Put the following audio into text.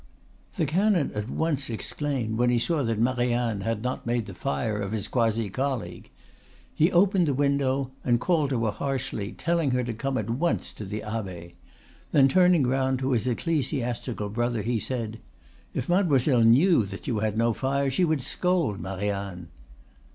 The canon at once exclaimed when he saw that Marianne had not made the fire of his quasi colleague. He opened the window and called to her harshly, telling her to come at once to the abbe; then, turning round to his ecclesiastical brother, he said, "If Mademoiselle knew that you had no fire she would scold Marianne."